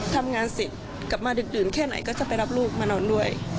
ทำงานเสร็จกลับมาดึกดื่นแค่ไหนก็จะไปรับลูกมานอนด้วย